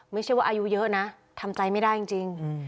ไม่ใช่ว่าอายุเยอะนะทำใจไม่ได้จริง